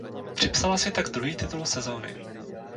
Připsala si tak druhý titul sezóny.